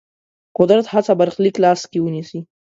قدرت هڅه برخلیک لاس کې ونیسي.